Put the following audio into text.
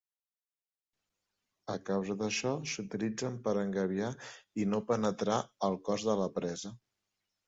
A causa d'això s'utilitzen per engabiar i no penetrar el cos de la presa.